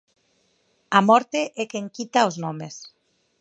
A morte é quen quita os nomes.